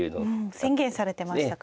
宣言されてましたからね。